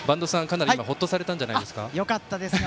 ほっとされたんじゃないですか？